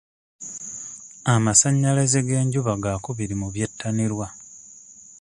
Amasannyalaze g'enjuba gaakubiri mu byettanirwa.